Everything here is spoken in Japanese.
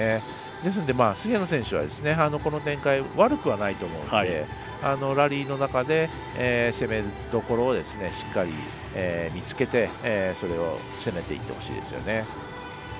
ですので、菅野選手はこの展開悪くはないと思うのでラリーの中で、攻めどころをしっかり見つけてそれを攻めていってほしいですね。